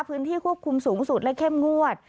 พื้นที่ควบคุมสูงสุดและเข้มงวด